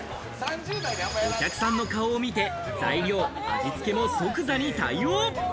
お客さんの顔を見て、材料、味付けを即座に対応。